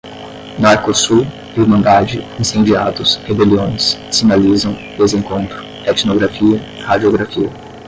narcosul, irmandade, incendiados, rebeliões, sinalizam, desencontro, etnografia, radiografia